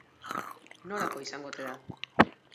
Nolakoa izango ote da?